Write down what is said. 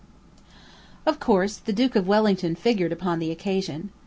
Of course, the Duke of Wellington figured upon the occasion.